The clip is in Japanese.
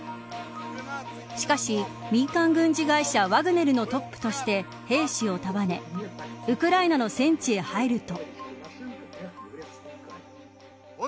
しかし、民間軍事会社ワグネルのトップとして兵士を束ねウクライナの戦地へ入ると。